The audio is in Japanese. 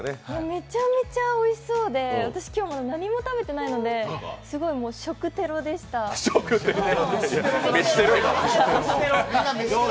めちゃめちゃおいしそうで、私、今日何も食べていないので食テロ、飯テロね。